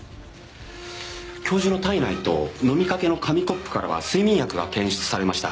教授の体内と飲みかけの紙コップからは睡眠薬が検出されました。